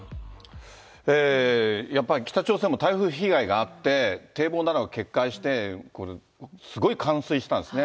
やっぱり北朝鮮も台風被害があって、堤防などが決壊して、すごい冠水したんですね。